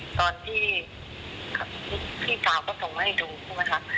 ตอนที่พี่กาวก็ส่งมาให้ดูใช่ไหมคะ